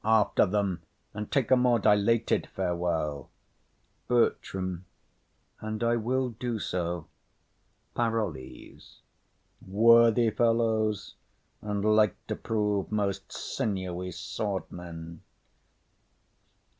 After them, and take a more dilated farewell. BERTRAM. And I will do so. PAROLLES. Worthy fellows, and like to prove most sinewy sword men.